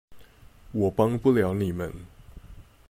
我幫不了你們